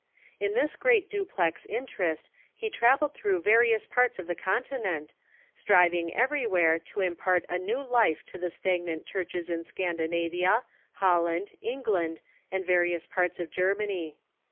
In this great duplex interest he travelled through various parts of the Continent, striving everywhere to impart a new life to the stagnant churches in Scandinavia, Moravian jJoHand, England, and various parts of Germany.